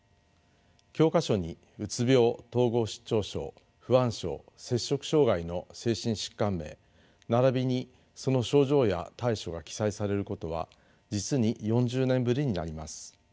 教科書にうつ病統合失調症不安症摂食障害の精神疾患名ならびにその症状や対処が記載されることは実に４０年ぶりになります。